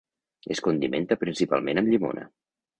Es condimenta principalment amb llimona.